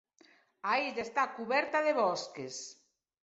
A illa está cuberta de bosques.